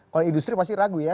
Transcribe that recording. kalau industri pasti ragu ya